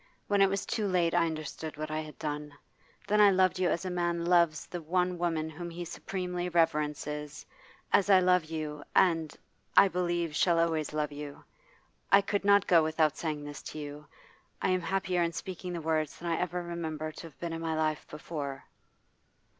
When it was too late I understood what I had done. Then I loved you as a man loves the one woman whom he supremely reverences, as I love you, and, I believe, shall always love you. I could not go without saying this to you. I am happier in speaking the words than I ever remember to have been in my life before.